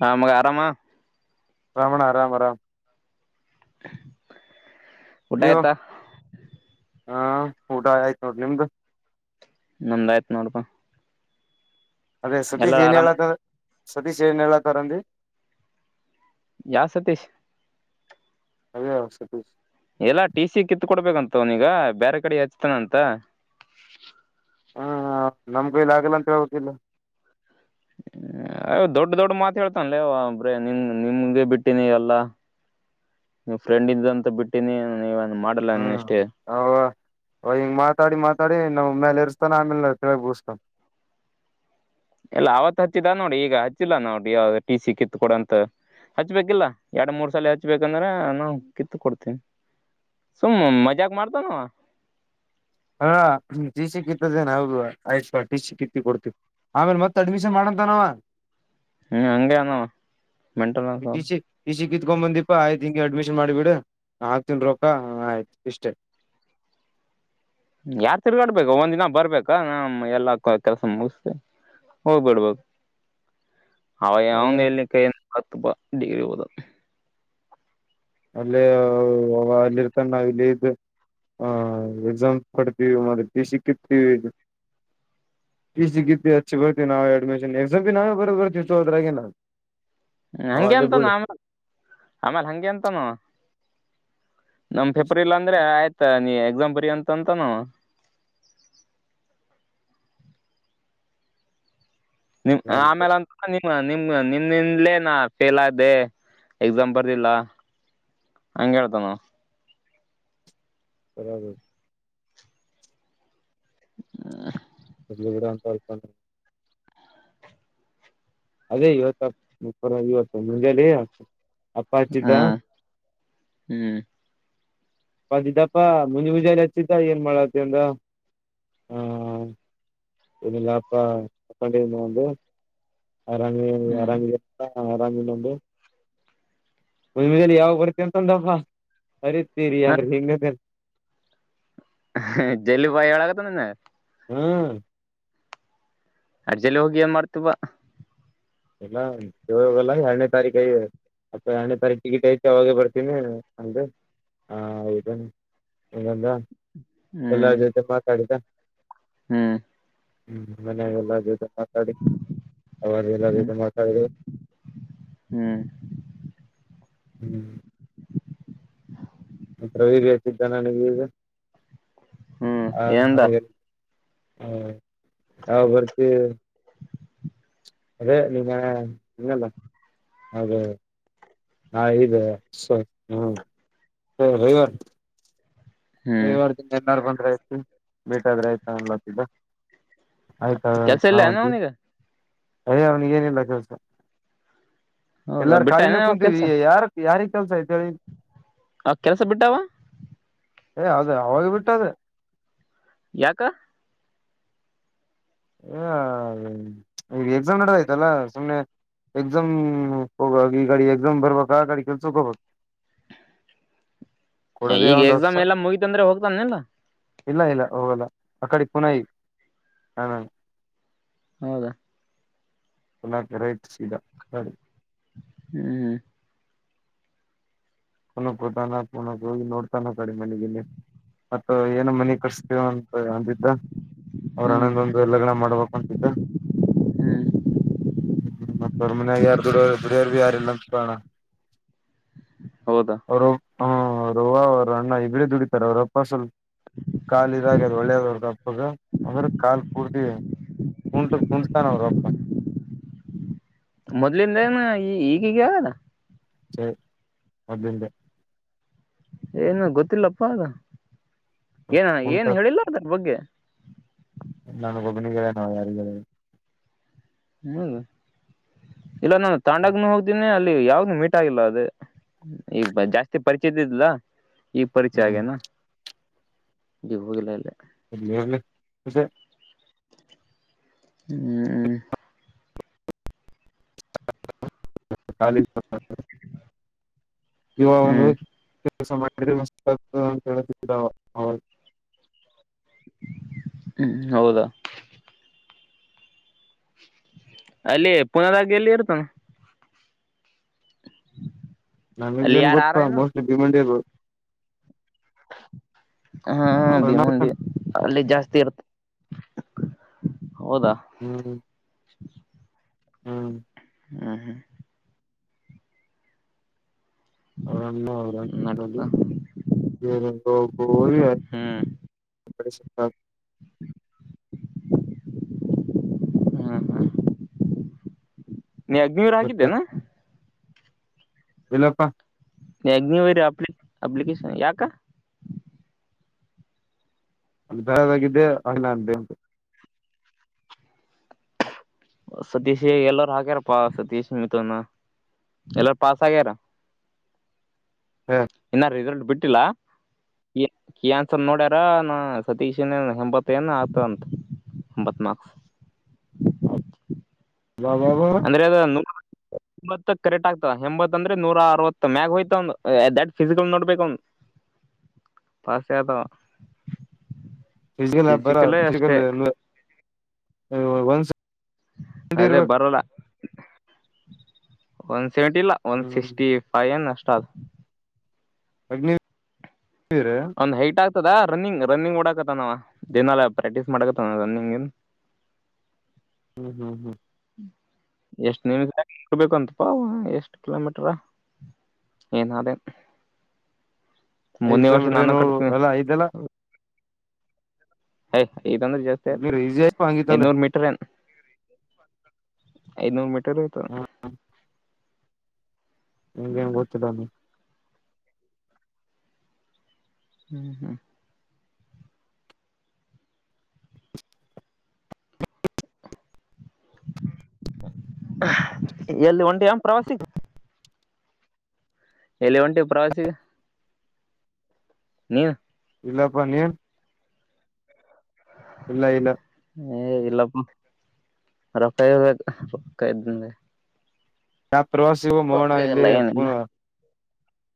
ಹ ಮಾಗ ಆರಾಮ ರಾಮಣ ಅರಾಮ ಅರಾಮ ಉಟಾಯತ್ತಾ ಹಾ ಊಟ ಆಯ್ತು ನೋಡಿ ನಿಮ್ದು ನಮ್ದಾಯ್ತ್ ನೋಡ್ಪಾ ಅದೇ ಸತಿ ಜೀನಿ ಹೇಳತದ ಸತೀಶ ಹೇಳತರಂದಿ ಯಾ ಸತೀಶ್ ಅವ ಯಾವ ಸತೀಶ ಎಲ್ಲಾ ಟಿ ಸಿ ಕಿತ್ ಕೊಡ್ಬೇಕಂತ ಅವ್ನೀಗ ಬ್ಯಾರೆ ಕಡೆಗ ಹಚ್ತಾನ ಅಂತ ಹ್ಮ್ ನಮ್ಮ ಕೈಲಿ ಆಗಲ್ಲ ಅಂತ ಹೇಳಬೇಕಿಲ್ಲ ಹ್ಮ ಯ್ಯ ದೊಡ್ಡ ದೊಡ್ಡ ಮಾತ್ ಹೇಳ್ತಾನಲೆ ಒಬ್ರೆ ನಿನ್ ನಿಮಗೆ ಬಿಟ್ಟಿನಿವೆಲ್ಲಾ ನಿಮ್ ಫ್ರೆಂಡ್ ಇದ್ದಂತ ಬಿಟ್ಟಿನಿ ನೀವ ಮಾಡಲ್ಲ ಹ್ಮ್ ಇಷ್ಟೇ ಅವ ಅವ ಹಿಂಗ್ ಮಾತಾಡಿ ಮಾತಾಡಿ ನವು ಮ್ಮೇಲೆ ಇರುಸ್ತಾನ ಆಮೇಲ [unintelligible] ವ ಬೂಸ್ತ ಎಲ್ಲ ಅವತ್ ಹಚ್ಚಿದ ನೋಡಿ ಈಗ ಹಚ್ಚಿಲ್ಲ ನೋಡಿ ಟಿ ಸಿ ಕಿತ್ ಕೊಡಂತ ಹಚ್ಬೇಕಿಲ್ಲ ಎರಡ್ ಮೂರ್ ಸಾಲಿ ಹಚ್ಬೇಕಂದ್ರ ನಾವು ಕಿತ್ ಕೊಡ್ತೀನಿ ಸುಮ್ ಮಜಾಕ್ ಮಾಡ್ತನವ ಹಾ ಟಿ ಸಿ ಕಿತ್ತದೇನೆ ಹೌದು ಆಯ್ತ್ ಟಿ ಸಿ ಕಿತ್ತಿ ಕೊಡ್ತವಿ ಆಮೇಲೆ ಮತ್ತ್ ಅಡ್ಮಿಷನ್ ಮಾಡಂತನವ ಹ್ಮ್ ಹಂಗೆ ಅನವ ಮೆಂಟಲ್ ಕಿತ್ಕೊ ಬಂದೀಪಾ ಆಯ್ತ್ ಹಿಂಗೆ ಅಡ್ಮಿಷನ್ ಮಾಡ್ಬಿಡ್ ಹಾಕ್ತನ್ ರೊಕ್ಕ ಆಯ್ತು ಇಷ್ಟೇ ಯಾರ್ ತಿರ್ಗಾಡ್ಬೇಕೋ ಒಂದಿನ ಬರ್ಬೇಕಾ ನ ಎಲ್ಲಾ ಕೆಲ್ಸ ಮುಗಿಸತೆ ಹೋಗ್ಬಿಡ್ಬಕೂ ಅವ ಅವನು ಎಲ್ಲಿ ಕೈಯಿಂದ ಹತ್ತ ಬ ಡಿಗ್ರಿ ಹೋದ ಅಲ್ಲೇ ಅವ ಅಲ್ಲಿರ್ತಾನ ನಾವ್ ಇಲ್ಲಿ ಇದ್ದ ಹಾ ಎಕ್ಸಾಮ್ ಕೊಡ್ತೀವಿ ಮತ್ತ ಟಿಸಿ ಕಿತ್ತಿವಿ ಟಿಸಿ ಕಿತ್ತೀವಿ ಹಚ್ಚಬೇಕ ನಾವೆ ಅಡ್ಮಿಶನ್ ಎಕ್ಸಾಮ್ ಬಿ ನಾವೇ ಬರದ ಬರ್ತವಿ ತೋ ಅದ್ರಾಗ ಏನದ ಹ್ಮ ಹಂಗೆ ಅಂತಾನ ಆಮೇಲ್ ಆಮೇಲ್ ಹಂಗೆ ಅಂತಾನ ಅವ ನಮ್ ಫೆಫರಿಲ ಅಂದ್ರೆ ಆಯ್ತ ನೀ ಎಕ್ಸಾಮಂ ಬರಿ ಅಂತ ಅಂತನವ ನಿಮ ಆಮೇಲೆ ಅಂತ ನಿ ನಿಮ ನಿ ಇಂದಲೇ ನಾ ಫೇಲ್ ಆದೆ ಎಕ್ಸಾಮ್ ಬರ್ದಿಲ್ಲ ಹಂಗ ಹೇಳ್ತನವ ಬರ್ಯದು ಆ ಇರ್ಲಿ ಬಿಡು ಅಂತರಪ್ಪ ನಿ ಅದೇ ಇವತ್ತು ಇತ್ತು ಮುಜೆಲ್ಲತ [unintelligible] ಹಾ ಹ್ಮ್ ಅಂದಿದ್ದಪ್ಪಾ ಮುಂಜ ಮುಂಜಾಲ ಹಚ್ಚಿದ್ದ ಏನ್ ಮಾಡತಿ ಅಂದ ಹ ಏನಿಲ್ಲಪ್ಪ ಮಕೊಂಡಿದ್ದ್ ಅಂದು ಆರಾಮ ನೀವ ಹ್ಮ್ ಆರಾಮ್ ಇದೀರಾ ಅಪ್ಪ ಹಾ ಆರಾಮಿನಂದ ಮಮಲಿ ಯಾವಾಗ ಬರುತ್ತೆ ಅಂತಂದಪ್ಪ ಅರಿತೀರಿ ಯಾರ್ರೀ ಹೆಂಗ [unintelligible] ಜಲು ಬಾಯಿ ಹೇಳಾಗತನನ ಹ್ಮ್ ಅಡ್ಜಲ್ಲಿ ಹೋಗಿ ಏನ್ ಮಾಡ್ತವ ಇಗೋಗಲ್ಲ ಎರಡನೇ ತಾರೀಕ ಐ ಅಪ್ಪ ಎರಡನೇ ತಾರೀಕ ಟಿಕೆಟ್ ಐತಿ ಅವಾಗೇ ಬರ್ತೀನಿ ಅಂದ ಹಾ ಹೂ ಅಂದ ಎಲ್ಲರ ಹ್ಮ್ ಜೊತೆ ಮಾತಾಡಿದಾ ಹ್ಮ್ ಹ್ಮ್ ಮನ್ಯಾಗೆಲ್ಲ ಜೊತೆ ಮಾತಾಡಿ ಅವ ಹ್ಮ್ ಜ ಮಾತಾಡಿದೋ ಹ್ಮ್ ಹ್ಮ್ ಪ್ರವಿ ಹೇಳ್ತಿದ್ದ ನನಿಗಿಗ. ಹ್ಮ್ ಹಾ ಏನ್ದ ನರ ಹ ಹ ಬರ್ತೀವಿ. ಅದೇ ನಿಮ್ಮ ನ್ನಲ್ಲ ಅದೇ ಹಾ ಇದ್ ಸೊ ಹ ಹೊಯ್ವನ್ ಈ ಹ್ಮ್ ವಾರದಿಂದನ್ ರ್ ಬಂದ್ರ ಐತಿ ಮಿಟಾದ್ರೆ ಆಯ್ತ ಅನ್ಲತಿದ್ದ. ಕೆಲ್ಸ ಇಲ್ಲೇನ ಅವ್ನಿಗ? ಅಯ್ಯೋ ಅವನಿಗೇನಿಲ್ಲ ಕೆಲ್ಸ. ಹೌದಾ ಎಲ್ಲಾರ ಬಿಟ್ಟ ಖಾಲಿನೆ ಏನ ಕುಂತೀವಿ ಕೆಲ್ಸ ಯಾರ್ ಯಾರಿ ಕೆಲ್ಸೈತ್ ಹೇಳಿ. ಆ ಕೆಲಸ ಬಿಟ್ಟಾವ ಏ ಅದೇ ಅವಾಗ ಬಿಟ್ಟದ. ಯಾಕ? ಹ ಈ ಎಕ್ಸಾಮ್ ನಡದ ಆಯ್ತಲ್ಲ ಸುಮ್ನೆ ಎಕ್ಸಾಮ್ ಹೋಗ ಈ ಗಾಡಿ ಎಕ್ಸಾಮ್ ಬರ್ಬೇಕ ಆ ಗಾಡಿ ಕೆಲ್ಸೋಗೋಗ್ಬೇಕು. ಈಗ ಎಕ್ಸಾಮ್ ಎಲ್ಲಾ ಮುಗಿತು ಅಂದ್ರೆ ಹೋಗ್ತಾನ್ನೆನ್ಲಾ? ಇಲ್ಲ ಇಲ್ಲ ಹೋಗಲ್ಲ ಅ ಕಡೆ ಪುನೈ ಹ ಹೌದಾ ಒಂದಾಕೆ ರೈಟ್ ಸೀದಾ ಸರಿ. ಹ್ಮ್ ಪುನಕ್ ಹೊತಾನ ಪುನಕ್ ಹೋಗಿ ನೋಡ್ತಾನ ಕಡೆ ಮನೆಗೆ ಇನ್ನ ಮತ್ತ ಏನು ಮನೆ ಕಟ್ಸ್ತೇವನ್ ಅಂದಿದ್ದ ಅವ್ರ ಹ್ಮ್ ಅಣ್ಣಂದೊಂದು ಲಗ್ನ ಮಾಡ್ಬೇಕು ಅಂತಿದ್ದ ಹ್ಮ್ ಮತ್ತ ಅವ್ರ ಮನ್ ಯಾರ ದುಡ್ ದುಡಿಯೋರ್ ಬಿ ಲಂಚ್ ಬಾಣ. ಹೌದಾ ಅವ್ರು ಹ್ಮ ಅವ್ರುವ ಅವ್ರು ಅಣ್ಣ ಇಬ್ರೆ ದುಡಿತಾರ ಅವ್ರಪ್ಪ ಸ್ವಲ್ ಕಾಲ್ ಇದಾಗ್ಯದ್ ಒಳ್ಳೇದದ್ ದ ಅಂದ್ರೆ ಕಾಲ್ ಪೂರ್ತಿ ಕುಂಟ ಕುಂಟ್ತಾನ್ ಅವ್ರಪ್ಪ. ಮೊದ್ಲಿಂದ ಏನು ಈ ಈಗೀಗ್ ಆಗ್ಯದ? ಸೇ ಮೊದ್ಲಿಂದೆ. ಏನು ಗೊತ್ತಿಲ್ಲಪ್ಪ ಅದ ಏನ ಏನ್ ಹೇಳಿಲ್ಲ ಅದ್ರ ಬಗ್ಗೆ. ನನ್ಗ್ ಗೊಬ್ಬನಿಗ್ ಹೇಳ್ಯಾನ್ ಅವ ಯಾರಿಗ್ ಹೇಳಿಲ್ ಹ್ಮ್ ಇಲ್ಲ ನಾನು ತಾಂಡಾಗ್ನು ಹೋಗಿದ್ನೇ ಅಲ್ ಯಾವ್ದ ಮೀಟ್ ಆಗಲ್ಲ ಅದು ಈಗ ಬ ಜಾಸ್ತಿ ಪರಿಚಿತ ಇದಿಲ್ಲ. ಈ ಪರಿಚಯ ಹ್ಮ್ ಆಗ್ಯಾನ. ದೆ ಹೋಗಿಲ್ಲಲ್ಲ [unintelligible] ಹ್ಮ್ ಹ್ಮ್ [unintelligible] ಖಾಲಿ [unintelligible] ಹ್ಮ್ [unintelligible] ಹ್ಮ್ ಹೌದಾ ಅಲ್ಲಿ ಪುನದಾಗ ಎಲ್ಲಿ ಇರ್ತಾನ ನನಗ್ ಅಲ್ಲಿ ಏನ್ ಯಾರ ಆರ ಗೊತ್ತಾ ಏನು ಮೋಸ್ಟ್ಲಿ ಬಿಮಂಡಿದು ಹಾ ಹಾ ಭೀಮಂಡಿ ಅಲ್ಲಿ ಜಾಸ್ತಿ ತೀರ್ತ್ ಹ್ಮ್ ಹ್ಮ್ ಹಾ ಹಾ ಹ್ಮ್ ನಡತ [unintelligible] ಹ್ಮ್ [unintelligible] ಹ್ಮ್ ಹ್ಮ್ ನೀ ಅಗ್ನಿವರ ಮತ್ತೆ ಆಗಿದ್ದೇನಾ ಇಲ್ಲಪ್ಪಾ ನೀ ಅಗ್ನಿವೇರಿ ಅಪ್ಲಿ ಅಪ್ಲಿಕೇಶನ್ ಯಾಕ ಅದ್ ಬ್ಯಾರೆದಾಗಿದ್ದೆ ಆಗ್ ನಾನ್ ಸತೀಶ್ ಎಲ್ಲಾರ ಆಗ್ಯಾರ ಪಾ ಸತೀಶ್ ಮಿಥುನ್ ಎಲ್ಲಾರ ಪಾಸ್ ಆಗ್ಯಾರ ಇನ್ನ ರಿಸಲ್ಟ್ ಬಿಟ್ಟಿಲ್ಲ ಈ ಅನ್ಸರ್ ನೋಡ್ಯಾರ ನ ಸತೀಶನ್ ಹೆಂಬತ್ತ ಏನ್ ಆತಂತ ಎಂಬತ್ ಮಾರ್ಕ್ಸ್ ಬಾ ಬಾ ಬಾ ಅಂದ್ರೆ ಅದು ಎಂಬತ್ತ ಕರೆಕ್ಟ್ ಆಗ್ತಾವ ಎಂಬತ್ ಅಂದ್ರೆ ನೂರ ಅರವತ್ತ ಮ್ಯಾಗ ಹೋಯ್ತ್ ಅವ್ನ್ದ್ ಫಿಸಿಕಲ್ ನೋಡ್ಬೇಕು ಅವಂದು ಪಾಸದಾವ ಫಿಜಿಕಲ್ ಅಪೇರ ಫಿಜಿಕಲ್ [unintelligible] ಹ ಒಂದ್ಸ ಅದೇ ಬರೋಲ್ಲ ಒನ್ ಸೆವೆಂಟಿ ಇಲ್ಲ ಒನ್ ಹ್ಮ್ ಸಿಕ್ಸ್ಟಿ ಫೈವ ಅನ್ ಅಷ್ಟ್ ಹೌದ್ ಅಗ್ನಿ ಅವ್ನ್ದ ಹೈಟ್ ಆಗ್ತ್ ದ ರನ್ನಿಂಗ್ ರನ್ನಿಂಗ್ ಓಡಾಕತ್ತ ನಾವ ದಿನಲ್ಲ ಪ್ರಾಕ್ಟೀಸ್ ಮಾಡಕತ್ತನ ರನ್ನಿಂಗ್ನ್ ಹ್ಮ್ ಹ್ಮ್ ಹ್ಮ್ ಎಷ್ಟ [unintelligible] ಪಾ ಅವ ಎಷ್ಟ್ ಕಿಲೋಮೀಟರ ಏನದೇನ್ ಐದ್ ಕಿಲೋಮೀಟರ್ ಏನು ಎಲ್ಲ ಐದಲ್ಲಾ ಹ [inaudible] ಇದಂದ್ರೆ ಜಾಸ್ತಿ ಆಯತ ಅಗ್ನಿವೀರ್ ಈಸಿ ಆಯ್ತು ಹಂಗಿತ್ತಂದ್ರೆ ಐದನೂರ್ ಮೀಟರ್ ಏನ್ ಐನೂರು ಮಿಟ್ ಲ್ಲತ [unintelligible] ಹ್ಮ್ [unintelligible] ಇಗೆೇಮನ್ನ ಗೊತ್ತಿಲ್ಲ ನ ಹ್ಮ್ ಹ್ಮ್ ಎಲ್ಲಿ ಹೋಂಟಿಯನ್ ಪ್ರವಾಸಿಗಿ ಎಲ್ಲಿ ಹೋಂಟೆ ಪ್ರವಾಸಿಗ ನೀ ಇಲ್ಲ ಪಾ ನೀ ಇಲ್ಲ ಇಲ್ಲ [unintelligible] ಏ ಇಲ್ಲ ರೊಕ್ಕಾಯ ಬೇಕ ರೊಕ್ಕ ಇದ್ದ ತ [unintelligible] ಪ್ರವಾಸಿಗೂ ಮೋಣ ಇಲ್ಲಿ ಇಲ್ಲ ಪ ಏನಿಲ್ಲ [unintelligible]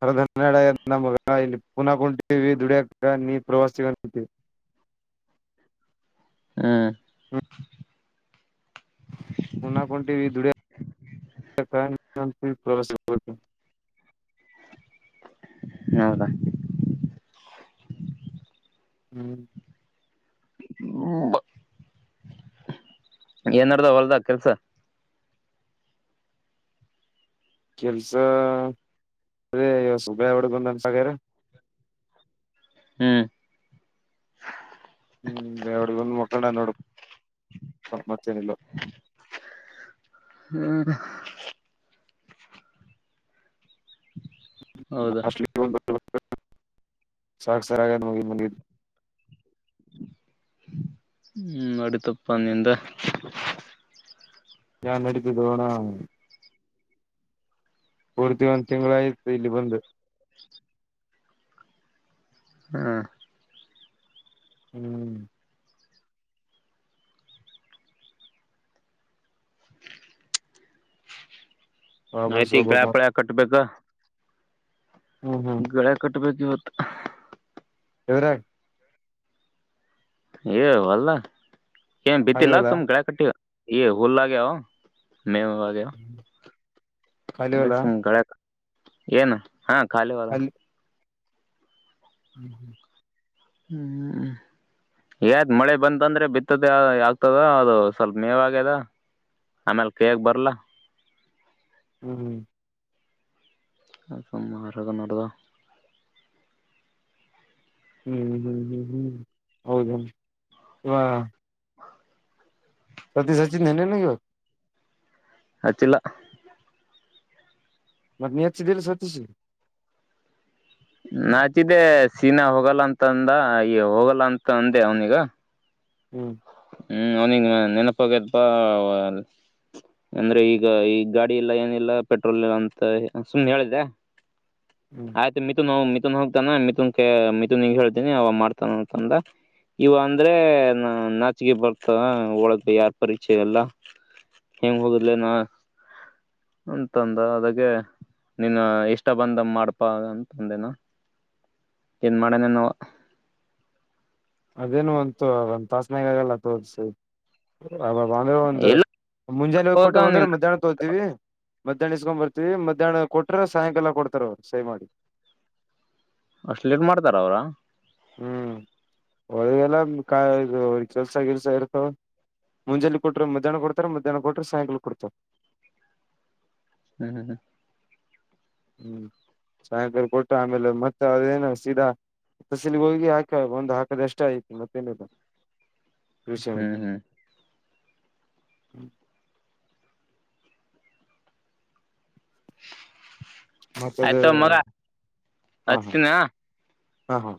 ಹರಧನ್ನೆಡ ನ ಮಗ ಇಲ್ಲಿ ಪುನಃ ಕುಂಟವಿ ದುಡಿಯಕ ನೀ ಪ್ರವಾಸಿಗವಿ ಹಾ [unintelligible] ಪುನಾ ಹೊನ್ನಟಿವಿ ದುಡಿಯಾಕ [unintelligible] ಪ್ರವಾಸ ಹೌದಾ ಹ್ಮ್ [unintelligible] ಹ ಏನ್ ನಡದದ ಹೊಲ್ದ ಕೆಲ್ಸ [unintelligible] ಕೆಲ್ಸ ಅ ಸುಬಯ ಹಡುಗಂದನ್ಸಗರ ಹ್ಮ್ ಪ್ರಣನ್ನೋಡ ಮತೆನೀಲ್ಲ ಹ್ಮ್ [inaudible] ಹೌದಾ ನಲಿ [inaudible] ಸಾಕಸರಾಯದ ಮಗ ಮಂದೀರ ಹ್ಮ್ ನಡತಪ ನಿಂದ್ [unintelligible] ನ್ ಅಡುಕ್ಕೆ ತೋಣಾ ಪೂರ್ತಿ ಒಂದು ತಿಂಗಳಾಯಿತು ಇಲ್ಲಿ ಬಂದು ಹ ಹ್ಮ್ ವಾಪಸ್ ಆಯ್ತ ಈಗ ಹೋಗ್ಬೇಕು ಗಳ್ಯಾಪಳ ಕಟ್ಬೇಕ ಹ್ಮ್ ಹ್ಮ್ ಗಳಕಟ್ಟ ಬೇಕು ಇವತ್ತು ವರಾಟ್ [unintelligible] ಏ ಹೊಲ್ಲ ಏನ್ ಖಾಲಿ ಬಿತ್ತಿಲ್ಲಾ ಹೊಲ ಸುಮ್ ಗಳೆ ಕಟ್ಟಿವ ಹುಲ್ಲ ಆಗೆವ ಹ [unintelligible] ಮ ಆಗ ಖಾಲಿ ಹೊಲ ಗಳ [unintelligible] ಏನ್ ಹಾ ಖಾಲಿ ವಲ [unintelligible] [unintelligible] ಹ್ಮ್ ಯತ ಮಳೆ ಬಂತಂದ್ರೆ ಬಿತ್ತದೆ [unintelligible] ಆಗ್ತದ ಅದು ಸ್ವಲ್ಪ ಮೇವಾಗ್ಯದ ಆಮೇಲ್ ಕೈಯಕ್ ಬರ್ಲ್ಲ ಹ್ಮ್ ಹ್ಮ್ [unintelligible] ಹ್ಮ್ ಹ್ಮ್ ಹ್ಮ್ ಹ್ಮ್ ಹೌದ [unintelligible] ವಾ ಸತಿ [unintelligible] ಆಚಿಲ್ಲ [unintelligible] ಮತ್ತ ನೀ ಹೆಚ್ಚಿದ್ದಿಲ್ಲ [unintelligible] ನಾಚಿದ್ದೆ ಸೀನಾ ಹೋಗಲ್ಲ ಅಂತಂದ ಈ ಹೋಗಲ್ಲ ಅಂತ ಅಂದೆ ಅವ್ನಿಗೆ [unintelligible] ಹ್ಮ್ ಹ್ಮ್ ಅವ್ನಿಗೆ ನೆನಪಾಗ್ಯಲ್ಪಾ ಅಂದ್ರೆ ಈಗ ಈ ಗಾಡಿ ಇಲ್ಲ ಏನಿಲ್ಲ ಪೆಟ್ರೋಲ್ ಇಲ್ಲ ಅಂತ ಸುಮ್ನೆ ಹೇಳಿದ್ದೆ ಹ್ಮ್ ಆಯ್ತು ಮಿಥು ನೋವು ಮ ಮನ್ ಹೋಗ್ತಾನ ಮಿಥುನ್ ಮಿಥುನ್ ಹೇಳ್ತೀನಿ ಅವ ಮಾಡ್ತಾನ ಅಂತಂದ ಇವ ಅಂದ್ರೆ ನಾ ಹೆಚ್ಚಿಗೆ ಬರ್ತ ಒಳಗ್ ಯಾರ್ ಪರಿಚಯ ಎಲ್ಲ ಹೆಂಗ ಹೋಗುದ್ಲೇನ ಅಂತಂದ ಅದೆ ನೀನ್ ಇಷ್ಟ ಬಂದಮ ಮಾಡ್ಪಾ ಅಂತಂದೆನ ಏನ್ ಮಾಡನೇನ ಅನು ಒಂತ ಒಂದ ತಾಸನಾಗ ಆಗಲ್ಲ ತೋಸಿ ಆಬಬ ಅಂದ್ರೆ ಎಲ್ಲ ಒಂದುಮುಂಜಾನೆ ಹೋಗ ಕೊಟ್ಟ ಬಂದ್ರೆ ಮಧ್ಯಾಹ್ನಕ್ಕೆ ಹೋದ್ತೀವಿ ಮಧ್ಯಾಹ್ನ ಇಸ್ಕೊಂಡ್ ಬರ್ತೀವಿ ಮಧ್ಯಾಹ್ನ ಕೊಟ್ರ ಸಾಯಂಕಾಲ ಕೊಡ್ತಾರ ಅವ್ರು ಸರಿ ಮಾಡಿ ಅಷ್ಟ್ ಲೇಟ್ ಮಾಡ್ತಾರ ಅವ್ರ ಹ್ಮ್ ಒಳಗೆಲ್ಲ ಕೆಲ್ಸ ಕೆಲ್ಸ ಇರ್ತವ ಮುಂಜಲಿ ಕೊಟ್ರ ಮುಧ್ಯಾಹ್ನ ಕೊಡ್ತಾರ ಮುಧ್ಯಾಹ್ನ ಕೊಟ್ರಿ ಸಾಯಂಕಾಲ ಕೊಡ್ತರ ಹ್ಮ್ ಹ ಹ್ಮ್ ಸಾಯಂಕಾಲ ಕೊಟ್ಟ ಆಮೇಲೆ ಮತ್ತೆ ಅದೇನು ಸೀದಾ ತಸೀಲಿಗೆ ಹೋಗಿ ಹಾಕ ಒಂದುಹಾಕದ ಎಷ್ಟ ಐತಿ ಮತ್ತೇನಿಲ್ಲ ಹ್ಮ್ ಹ್ಮ್ ಹ್ಮ ಮತ್ತದು ಆಯ್ತ ಮಗ ಹಾ ಹಾ ಹಚ್ತೀನಿ ಹಾ ಹಾ